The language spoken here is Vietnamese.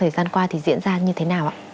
thời gian qua thì diễn ra như thế nào ạ